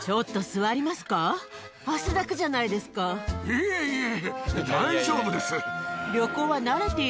いえいえ。